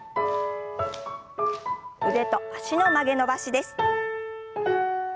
腕と脚の曲げ伸ばしです。